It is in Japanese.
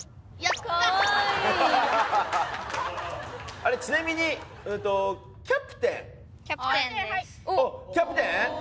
あれちなみにキャプテンですあっキャプテン？